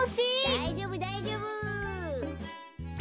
だいじょうぶだいじょうぶ！